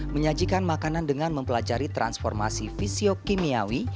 menyajikan makanan dengan mempelajari transformasi fisio kimiawi